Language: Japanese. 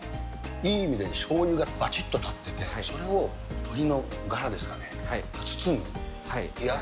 いい意味でしょうゆがばちっと立ってて、それを鶏のガラですかね、が、包んでる。